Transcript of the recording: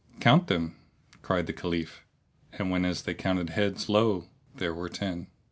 "Count them!" cried the Caliph and whenas they counted heads, lo! there were ten.